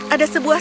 ada sebuah sungai